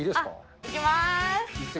いきます。